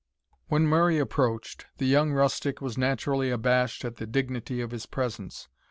When Murray approached, the young rustic was naturally abashed at the dignity of his presence.